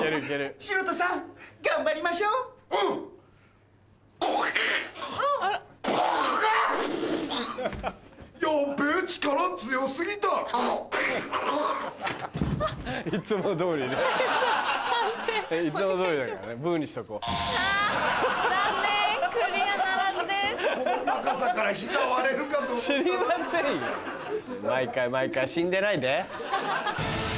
知りませんよ毎回毎回死んでないで！